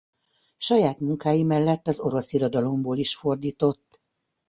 Saját munkái mellett az orosz irodalomból is fordított.